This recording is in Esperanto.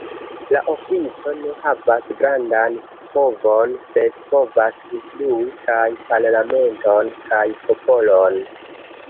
La ofico ne havas grandan povon, sed povas influi kaj parlamenton kaj popolon.